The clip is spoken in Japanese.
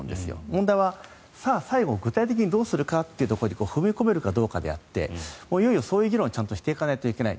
問題は、さあ最後、具体的にどうするかというところに踏み込めるかどうかであっていよいよそういう議論をちゃんとしていかないといけない